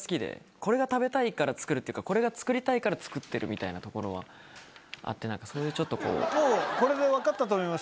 これが食べたいから作るっていうか、これが作りたいから作ってるみたいなところはあって、そういうちもうこれで分かったと思います。